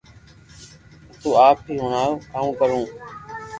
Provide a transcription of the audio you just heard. تو آپ ھي ھڻاو ڪاو ڪرو